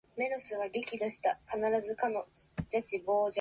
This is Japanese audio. この言語は難しい。